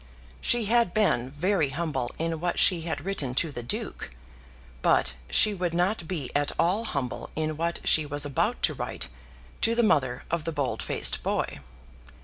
She had been very humble in what she had written to the Duke, but she would not be at all humble in what she was about to write to the mother of the bold faced boy.